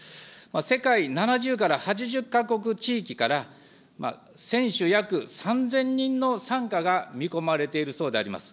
世界７０から８０か国、地域から、選手約３０００人の参加が見込まれているそうであります。